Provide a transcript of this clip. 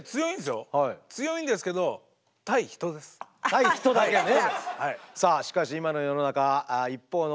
対人だけね。